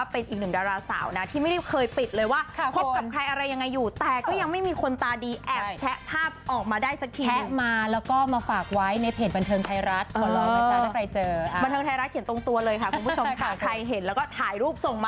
เพราะว่าพี่สาวได้ไปละเซตนึง